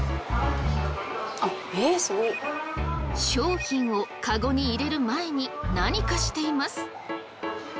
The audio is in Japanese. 商品をカゴに入れる前に何かしています。